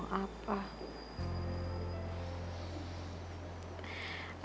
aku gak tau harus berpikir pikir